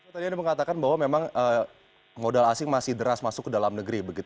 tadi anda mengatakan bahwa memang modal asing masih deras masuk ke dalam negeri